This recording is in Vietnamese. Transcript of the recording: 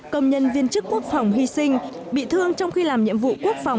công nhân viên chức quốc phòng hy sinh bị thương trong khi làm nhiệm vụ quốc phòng